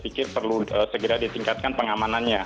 saya pikir perlu segera ditingkatkan pengamanannya